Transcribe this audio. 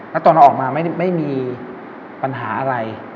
แล้วตอนเราออกมาไม่มีปัญหาอะไร